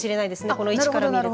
この位置から見ると。